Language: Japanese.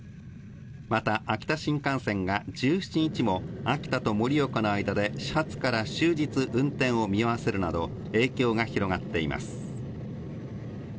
また秋田新幹線が１７日も、秋田と盛岡の間で始発から終日運転を見合わせるなど、影響が広がっています。